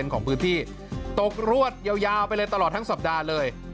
ของพื้นที่ตกรวดยาวไปเลยตลอดทั้งสัปดาห์เลย